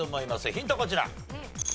ヒントこちら。